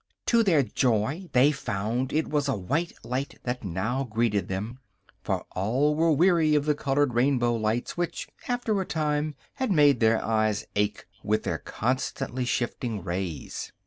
To their joy they found it was a white light that now greeted them, for all were weary of the colored rainbow lights which, after a time, had made their eyes ache with their constantly shifting rays.